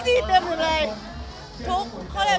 สิบเต็มร้อยสิบเต็ม